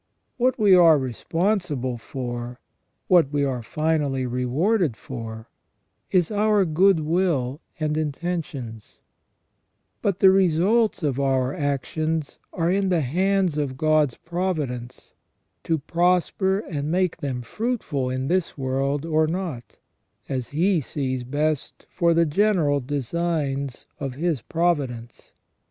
What we are responsible for, what we are finally rewarded for, is our good will and intentions ; but the results of our actions are in the hands of God's provi dence, to prosper and make them fruitful in this world or not, as He sees best for the general designs of His providence.